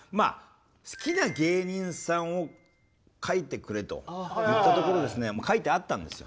好きな芸人さんを書いてくれと言ったところですね書いてあったんですよ。